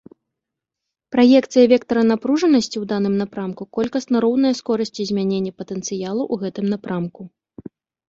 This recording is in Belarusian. Праекцыя вектара напружанасці у даным напрамку колькасна роўная скорасці змянення патэнцыялу ў гэтым напрамку.